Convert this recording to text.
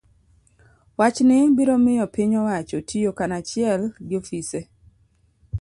Wachni biro miyo piny owacho tiyo kanachiel gi ofise